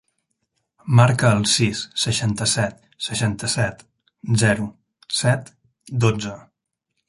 Marca el sis, seixanta-set, seixanta-set, zero, set, dotze.